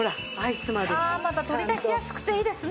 ああまた取り出しやすくていいですね。